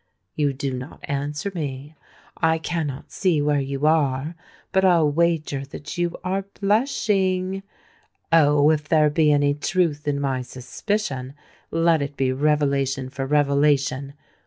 You do not answer me. I cannot see you where you are; but I'll wager that you are blushing. Oh! if there be any truth in my suspicion, let it be revelation for revelation.